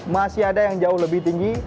masih ada yang jauh lebih tinggi